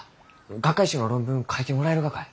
学会誌の論文書いてもらえるがかえ？